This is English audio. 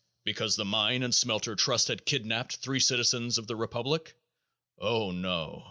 Because the Mine and Smelter Trust had kidnaped three citizens of the republic? Oh, no!